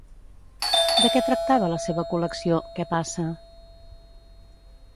De què tractava la seva col·lecció "Què passa?"?